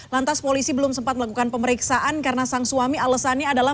lantas polisi belum sempat melakukan pemeriksaan karena sang suami alasannya adalah